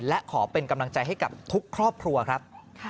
และขอเป็นกำลังใจให้กับทุกครอบครัวครับ